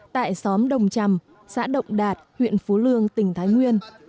tại xóm đồng chầm xã động đạt huyện phú lương tỉnh thái nguyên